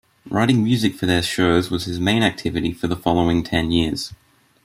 Writing music for their shows was his main activity for the following ten years.